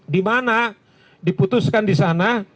dimana diputuskan disana